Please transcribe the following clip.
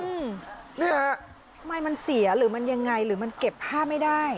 นี่ฮะทำไมมันเสียหรือมันยังไงหรือมันเก็บผ้าไม่ได้